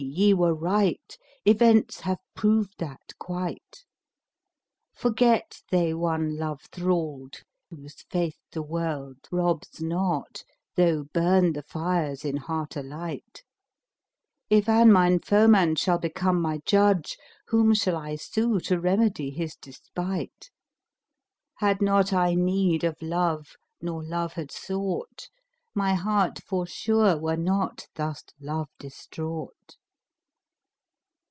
ye were right, events have proved that quite. Forget they one love thralled, whose faith the world * Robs not, though burn the fires in heart alight: If an my foeman shall become my judge, * Whom shall I sue to remedy his despight? Had not I need of love nor love had sought, * My heart forsure were not thus love distraught."